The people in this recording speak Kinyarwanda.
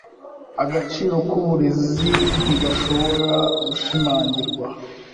Agaciro k'uburezi ntigashobora gushimangirwa.